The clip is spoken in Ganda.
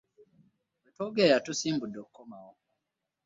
We twogerera tusimbudde okukomawo.